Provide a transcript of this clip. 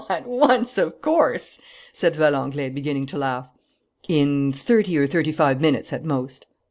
"At once, of course?" said Valenglay, beginning to laugh. "In thirty or thirty five minutes at most."